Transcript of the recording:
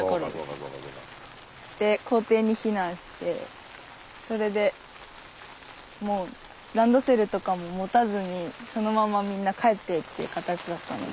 で校庭に避難してそれでもうランドセルとかも持たずにそのままみんな帰ってって形だったので。